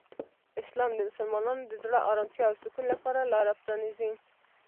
اسلام د مسلمانانو د زړه آرامتیا او سکون لپاره لاره پرانیزي.